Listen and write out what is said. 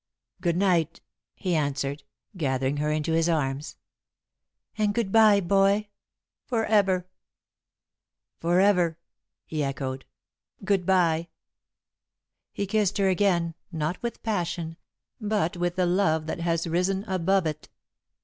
"Good night," he answered, gathering her into his arms. "And good bye, Boy, forever!" "Forever," he echoed, "good bye!" He kissed her again, not with passion, but with the love that has risen above it.